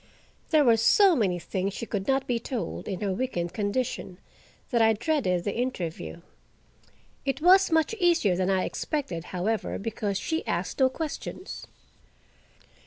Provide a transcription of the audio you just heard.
There were so many things she could not be told, in her weakened condition, that I dreaded the interview. It was much easier than I expected, however, because she asked no questions.